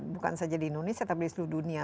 bukan saja di indonesia tapi di seluruh dunia